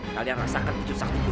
kalian rasakan kejutan sektiku ini